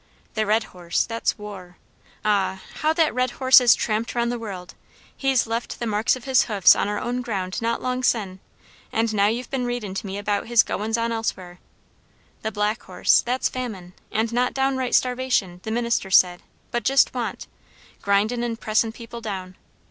The red horse, that's war; ah, how that red horse has tramped round the world! he's left the marks of his hoofs on our own ground not long sen; and now you've been readin' to me about his goin's on elsewhere. The black horse, that's famine; and not downright starvation, the minister said, but just want; grindin' and pressin' people down.